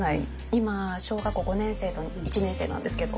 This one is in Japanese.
今小学校５年生と１年生なんですけど。